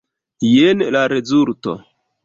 Jen la rezulto.